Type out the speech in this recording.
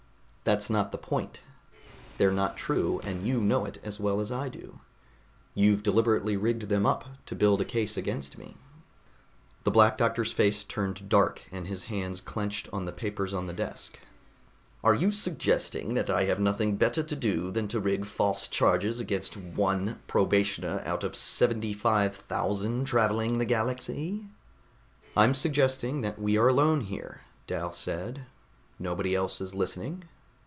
"That's not the point. They're not true, and you know it as well as I do. You've deliberately rigged them up to build a case against me." The Black Doctor's face turned dark and his hands clenched on the papers on the desk. "Are you suggesting that I have nothing better to do than to rig false charges against one probationer out of seventy five thousand traveling the galaxy?" "I'm suggesting that we are alone here," Dal said. "Nobody else is listening.